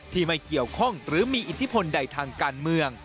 ไม่เกี่ยวข้องหรือมีอิทธิพลใดทางการเมือง